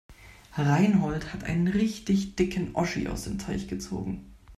Reinhold hat einen richtig dicken Oschi aus dem Teich gezogen.